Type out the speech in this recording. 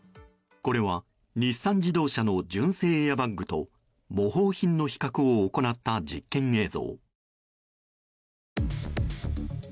これは日産自動車の純正エアバッグと模倣品の比較を行った実験映像。